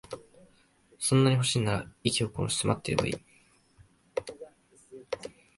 そんなに欲しいんなら、息を殺して待ってればいい。